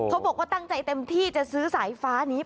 เขาบอกว่าตั้งใจเต็มที่จะซื้อสายฟ้านี้